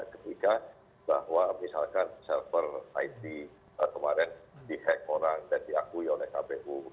ketika bahwa misalkan server it kemarin di hack orang dan diakui oleh kpu